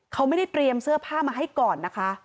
เขาไม่ได้เตรียมเสื้อผ้ามาให้ก่อนนะคะ